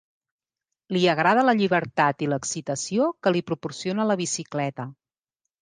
Li agrada la llibertat i l'excitació que li proporciona la bicicleta.